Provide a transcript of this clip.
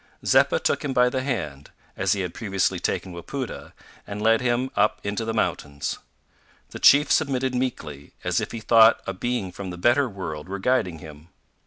Zeppa took him by the hand, as he had previously taken Wapoota, and led him up into the mountains. The chief submitted meekly, as if he thought a being from the better world were guiding him.